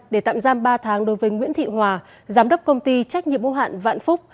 để tạm giam ba tháng đối với nguyễn thị hòa giám đốc công ty trách nhiệm mô hạn vạn phúc